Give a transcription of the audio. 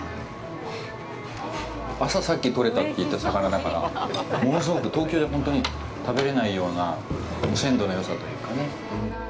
朝、さっき取れたって言ってた魚だから、物すごく、東京では本当に食べれないような鮮度のよさというかね。